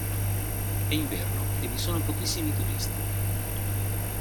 È inverno e vi sono pochissimi turisti.